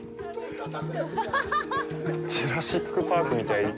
「ジュラシック・パーク」みたい。